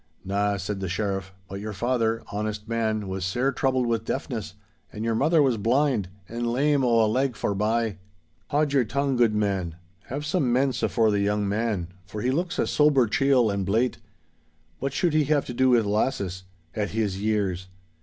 'Na,' said the Sheriff, 'but your father, honest man, was sair troubled with deafness, and your mother was blind, and lame o' a leg forbye.' 'Haud your tongue, guidman. Have some mense afore the young man, for he looks a sober chiel and blate. What should he have to do with lasses? At his years!